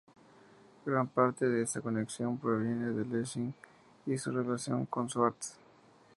Gran parte de esa conexión proviene de Lessig y su relación con Swartz.